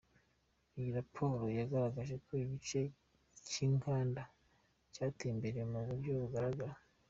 Iyi raporo yagaragaje ko igice cy’inganda cyateye imbere mu buryo bugaragara.